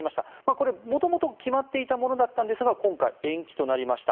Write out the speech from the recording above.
これ、元々決まっていたものだったんですが今回延期となりました。